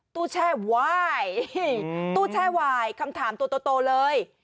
ตู้แช่วายตู้แช่วายคำถามโตเลย